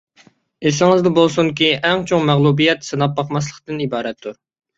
ئېسىڭىزدە بولسۇنكى، ئەڭ چوڭ مەغلۇبىيەت سىناپ باقماسلىقتىن ئىبارەتتۇر.